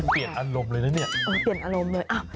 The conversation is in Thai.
เปลี่ยนอารมณ์เลยนะเนี่ยเปลี่ยนอารมณ์เลย